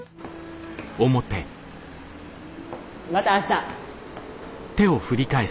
また明日。